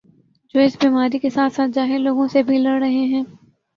جو اس بیماری کے ساتھ ساتھ جاہل لوگوں سے بھی لڑ رہے ہیں